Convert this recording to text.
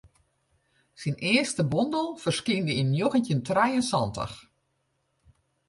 Syn earste bondel ferskynde yn njoggentjin trije en santich.